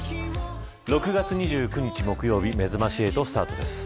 ６月２９日木曜日めざまし８スタートです。